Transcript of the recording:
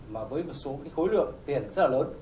mà với một số cái khối lượng tiền rất là lớn